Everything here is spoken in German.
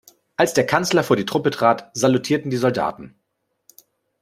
Als der Kanzler vor die Truppe trat, salutierten die Soldaten.